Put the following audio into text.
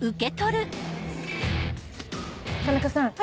田中さん